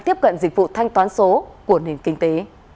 tiếp cận dịch vụ thanh toán số của nền kinh tế